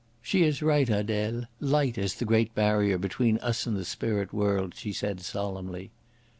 "She is right, Adele. Light is the great barrier between us and the spirit world," she said solemnly.